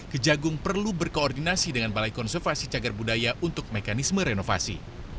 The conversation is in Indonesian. kejagung perlu berkoordinasi dengan balai konservasi cagar budaya untuk mekanisme renovasi